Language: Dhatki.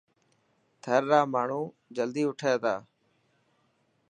ٿر را ماڻهو جلدي اوٺي ٿا.